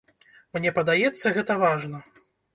Мне падаецца, гэта важна.